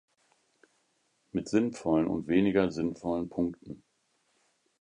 Mit sinnvollen und weniger sinnvollen Punkten.